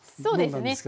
そうですね。